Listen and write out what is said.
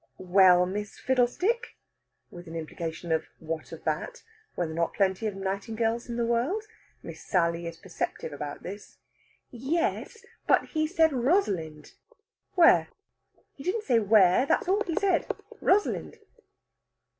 "Well, Miss Fiddlestick!" with an implication of what of that? Were there not plenty of Nightingales in the world? Miss Sally is perceptive about this. "Yes, but he said Rosalind." "Where?" "He didn't say where. That's all he said Rosalind."